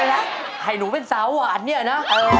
แล้วให้หนูเป็นสาวหวานเนี่ยนะ